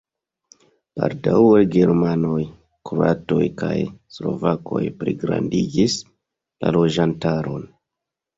Baldaŭe germanoj, kroatoj kaj slovakoj pligrandigis la loĝantaron.